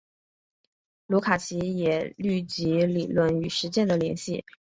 卢卡奇也虑及理论与实践的联系。